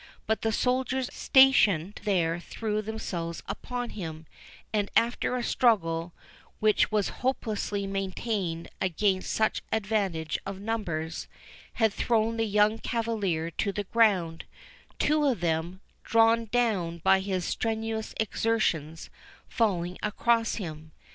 But the soldiers stationed there threw themselves upon him, and after a struggle, which was hopelessly maintained against such advantage of numbers, had thrown the young cavalier to the ground, two of them, drawn down by his strenuous exertions, falling across him.